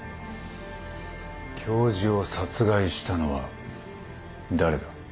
教授を殺害したのは誰だ？